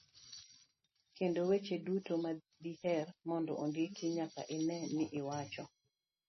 kendo weche duto madiher mondo ondiki nyaka ine ni iwacho.